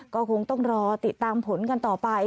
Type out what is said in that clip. ก็คงต้องรอติดตามผลกันต่อไป